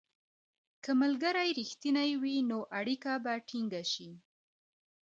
که ملګري رښتیني وي، نو اړیکه به ټینګه شي.